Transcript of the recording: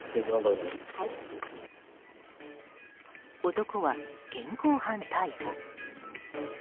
男は現行犯逮捕。